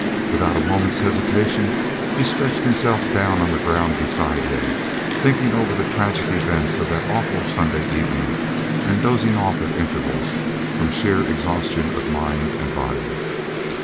Without a moment's hesitation, he stretched himself down on the ground beside him, thinking over the tragic events of that awful Sunday evening and dozing off at intervals, from sheer exhaustion of mind and body.